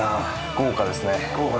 豪華ですね。